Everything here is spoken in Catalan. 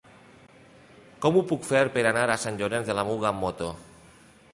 Com ho puc fer per anar a Sant Llorenç de la Muga amb moto?